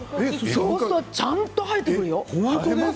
そうするとちゃんと生えてくるよ。